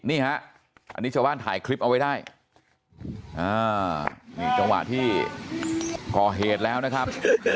นี่ฮะอันนี้ชาวบ้านถ่ายคลิปเอาไว้ได้นี่จังหวะที่ก่อเหตุแล้วนะครับ